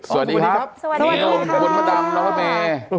สวัสดีครับสวัสดีครับ